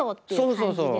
そうそうそう。